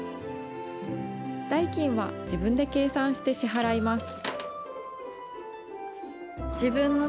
代金は自分で計算して支払います。